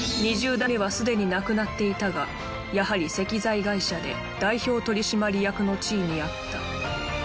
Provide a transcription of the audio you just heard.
２０代目は既に亡くなっていたがやはり石材会社で代表取締役の地位にあった